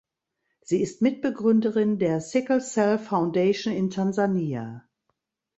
Sie ist Mitbegründerin der Sickle Cell Foundation in Tansania.